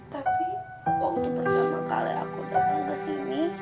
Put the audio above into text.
tapi waktu pertama kali aku datang kesini